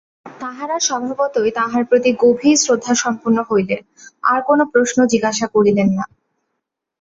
তাঁহারা স্বভাবতই তাঁহার প্রতি গভীর শ্রদ্ধাসম্পন্ন হইলেন, আর কোন প্রশ্ন জিজ্ঞাসা করিলেন না।